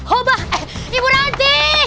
oba eh ibu ranti